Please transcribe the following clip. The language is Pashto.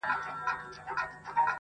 خو زړې نښې لا شته تل،